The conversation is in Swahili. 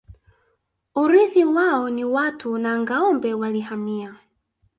Urithi wao ni watu na ngâombe Walihamia